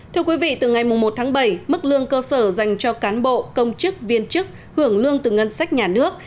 thưa quý vị từ ngày một tháng bảy mức lương cơ sở dành cho cán bộ công chức viên chức hưởng lương từ ngân sách nhà nước